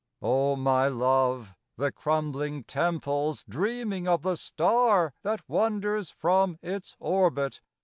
O my Love, the crumbling Temple 's dreaming Of the star that wanders from its orbit.